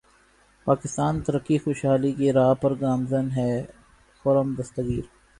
پاکستان ترقی خوشحالی کی راہ پر گامزن ہے خرم دستگیر